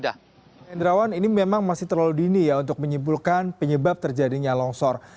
hendrawan ini memang masih terlalu dini ya untuk menyimpulkan penyebab terjadinya longsor